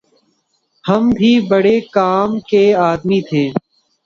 ہم بھی بھڑے کام کے آدمی تھے